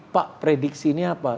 pak prediksinya apa